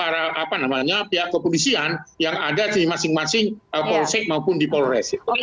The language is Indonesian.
itu harus menjadi pr pihak kepolisian yang ada di masing masing polosik maupun dipoloresik